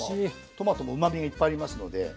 トマトもうまみがいっぱいありますので。